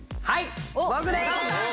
はい！